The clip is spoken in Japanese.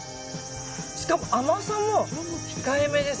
しかも甘さも控えめです。